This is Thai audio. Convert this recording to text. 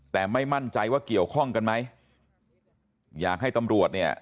แต่ไม่มั่นใจว่าเกี่ยวข้องกันไหมอยากให้ตำรวจเนี่ย